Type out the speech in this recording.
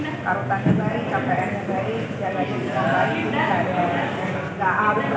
beradaptasinya biasa aja sih teman teman di dalam tamu juga baik baik semua